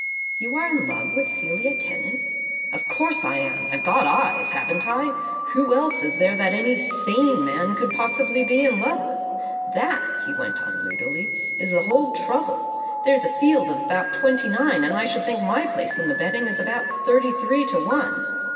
"You are in love with Celia Tennant?" "Of course I am. I've got eyes, haven't I? Who else is there that any sane man could possibly be in love with? That," he went on, moodily, "is the whole trouble. There's a field of about twenty nine, and I should think my place in the betting is about thirty three to one."